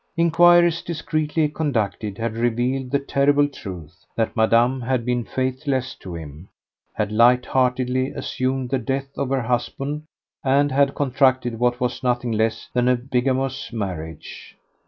Inquiries discreetly conducted had revealed the terrible truth, that Madame had been faithless to him, had light heartedly assumed the death of her husband, and had contracted what was nothing less than a bigamous marriage.